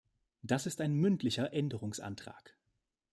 Das ist ein mündlicher Änderungsantrag.